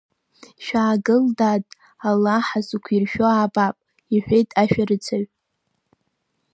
Шәаагыл, дад, аллаҳ ҳзықәиршәо аабап, — иҳәеит ашәарыцаҩ.